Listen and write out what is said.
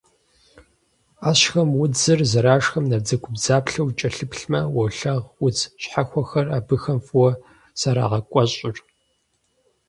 Ӏэщхэм удзыр, зэрашхым набдзэгубдзаплъэу укӀэлъыплъмэ, уолъагъу удз щхьэхуэхэр абыхэм фӀыуэ зэрагъэкӀуэщӀыр.